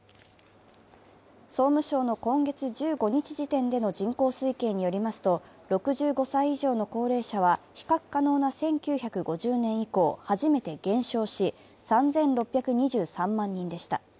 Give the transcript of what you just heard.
総務省の今月１５日時点での人口推計によりますと、６５歳以上の高齢者は比較可能な１９５０年以降、初めて減少し、３６２３万人でした。